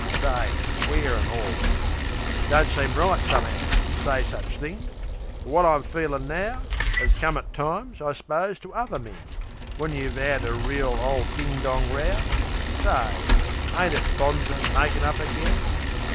Say, square an' all It don't seem right, some'ow, To say such things; but wot I'm feelin' now 'As come at times, I s'pose, to uvver men When you 'ave 'ad a reel ole ding dong row, Say, ain't it bonzer makin' up agen?